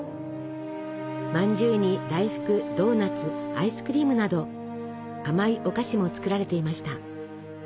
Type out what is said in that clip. まんじゅうに大福ドーナツアイスクリームなど甘いお菓子も作られていました。